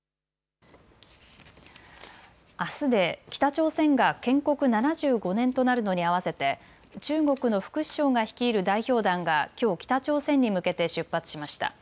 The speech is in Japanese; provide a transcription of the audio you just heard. あすで北朝鮮が建国７５年となるのに合わせて中国の副首相が率いる代表団がきょう北朝鮮に向けて出発しました。